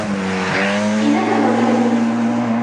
إنّهما معي.